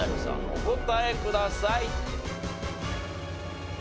お答えください。